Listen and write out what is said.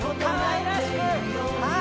はい